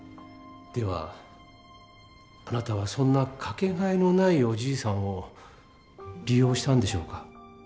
ではあなたはそんな掛けがえのないおじいさんを利用したんでしょうか？